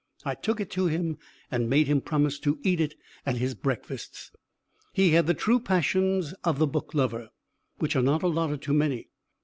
I took it to him and made him promise to eat it at his breakfasts. He had the true passions of the book lover, which are not allotted to many.